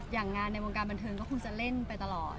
งานในวงการบันเทิงก็คงจะเล่นไปตลอด